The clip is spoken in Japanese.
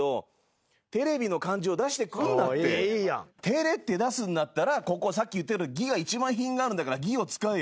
「てれ」って出すんだったらさっき言ったように「ぎ」が一番品があるんだから「ぎ」を使え。